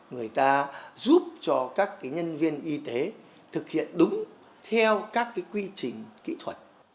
người ta giúp cho các nhân viên y tế thực hiện đúng theo các quy trình kỹ thuật